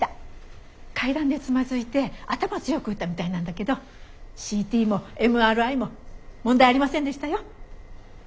階段でつまずいて頭を強く打ったみたいなんだけどＣＴもＭＲＩも問題ありませんでしたよ。